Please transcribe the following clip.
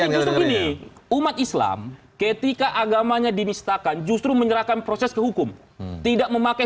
yang jadi umat islam ketika agamanya dimistakan justru menyerahkan proses kehukum tidak memakai